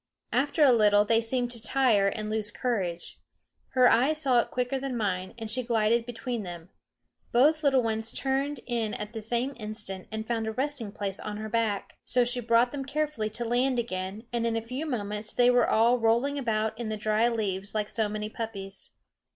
After a little they seemed to tire and lose courage. Her eyes saw it quicker than mine, and she glided between them. Both little ones turned in at the same instant and found a resting place on her back. So she brought them carefully to land again, and in a few moments they were all rolling about in the dry leaves like so many puppies.